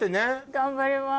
頑張ります。